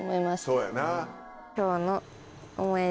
そうやな。